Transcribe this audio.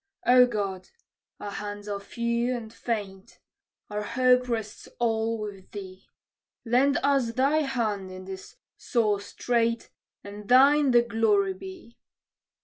"O God, our hands are few and faint; our hope rests all with thee: Lend us thy hand in this sore strait, and thine the glory be!"